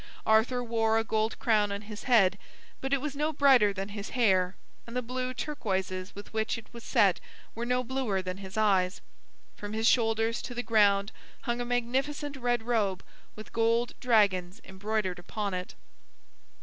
Arthur wore a gold crown on his head, but it was no brighter than his hair, and the blue turquoises with which it was set were no bluer than his eyes. From his shoulders to the ground hung a magnificent red robe with gold dragons embroidered upon it.